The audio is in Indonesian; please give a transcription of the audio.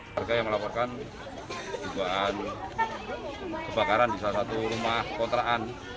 keluarga yang melaporkan kebakaran di salah satu rumah kontrakan